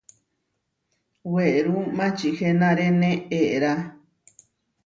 Werú mačihenaréne eerá.